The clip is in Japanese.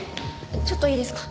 ちょっといいですか？